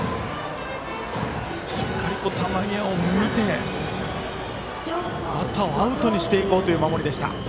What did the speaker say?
しっかり球際を見てバッターをアウトにしていこうという守りでした。